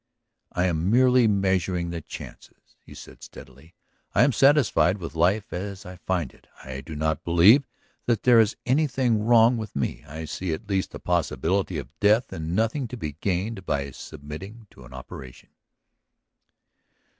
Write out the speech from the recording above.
"I am merely measuring the chances," he said steadily. "I am satisfied with life as I find it; I do not believe that there is anything wrong with me; I see at least the possibility of death and nothing to be gained by submitting to an operation."